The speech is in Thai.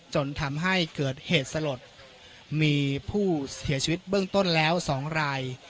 จนทำให้เกิดเหตุสลดมีผู้เสียชีวิตเบื้องต้นแล้ว๒ราย